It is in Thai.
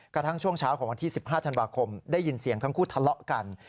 กระทั่งช่วงเช้าของวันที่๑๕ธันวาคมได้ยินเสียงทั้งคู่ทะเลาะกัน